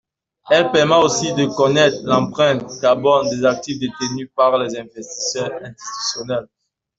Elle permet aussi de connaître l’empreinte carbone des actifs détenus par les investisseurs institutionnels.